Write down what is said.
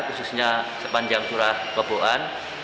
khususnya sepanjang surah keboan